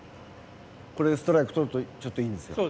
これでストライクとるとちょっといいんですよ。